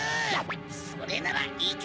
それならいけ！